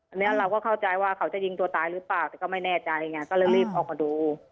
อันนี้เราก็เข้าใจว่าเขาจะยิงตัวตายหรือเปล่าแต่ก็ไม่แน่ใจไงก็เลยรีบออกมาดู